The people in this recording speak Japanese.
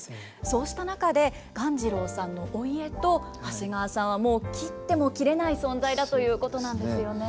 そうした中で鴈治郎さんのお家と長谷川さんはもう切っても切れない存在だということなんですよね。